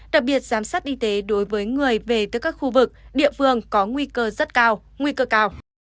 đặc biệt giám sát y tế đối với người về tới các khu vực địa phương có nguy cơ rất cao